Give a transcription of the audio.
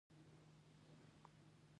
د پښتو راتلونکی په لوست کې دی.